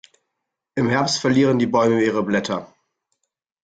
Im Herbst verlieren die Bäume ihre Blätter.